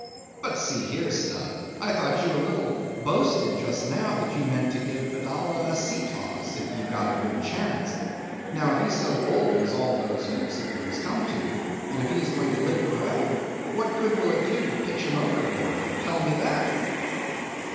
"But see here, Stubb, I thought you a little boasted just now, that you meant to give Fedallah a sea toss, if you got a good chance. Now, if he's so old as all those hoops of yours come to, and if he is going to live for ever, what good will it do to pitch him overboard—tell me that?